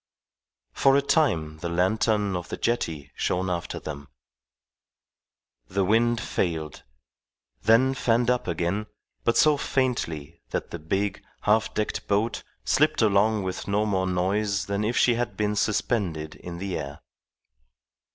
For a time the lantern on the jetty shone after them. The wind failed, then fanned up again, but so faintly that the big, half decked boat slipped along with no more noise than if she had been suspended in the air.